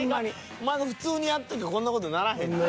お前が普通にやっときゃこんな事にならへんねん。